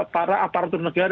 para aparatur negara